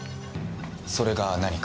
それが何か？